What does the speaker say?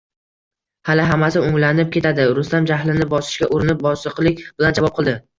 Hali hammasi o`nglanib ketadi, Rustam jahlini bosishga urinib, bosiqlik bilan javob qildi